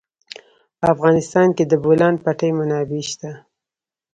په افغانستان کې د د بولان پټي منابع شته.